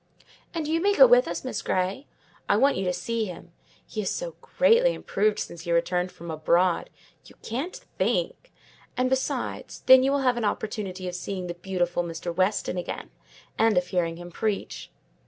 And you may go with us, Miss Grey: I want you to see him; he is so greatly improved since he returned from abroad—you can't think! And besides, then you will have an opportunity of seeing the beautiful Mr. Weston again, and of hearing him preach."